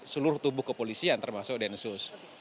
seluruh tubuh kepolisian termasuk densus